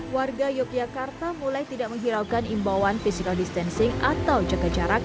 warga yogyakarta mulai tidak menghiraukan imbauan physical distancing atau jaga jarak